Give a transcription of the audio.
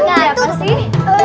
nah apa sih